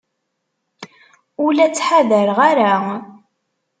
Ur la ttḥadareɣ ara.